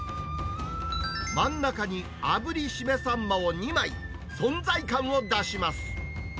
真ん中にあぶりしめサンマを２枚、存在感を出します。